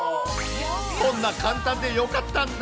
こんな簡単でよかったんだ。